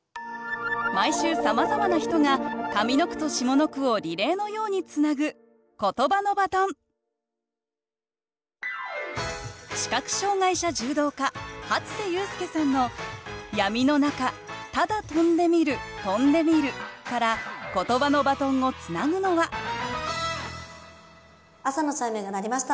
毎週さまざまな人が上の句と下の句をリレーのようにつなぐ視覚障害者柔道家初瀬勇輔さんの「闇のなかただとんでみるとんでみる」からことばのバトンをつなぐのは朝のチャイムが鳴りました。